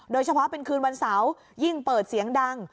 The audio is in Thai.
โดยเฉพาะเป็นคืนวันเสาร์ยิ่งเปิดเสียงดัง